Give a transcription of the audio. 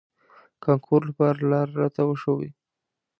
کانکور لپاره لار راته وښوئ.